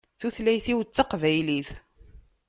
Tutlayt-iw d Taqbaylit.